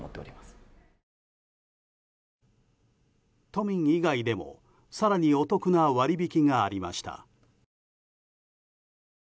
都民以外でも更にお得な割引がありました。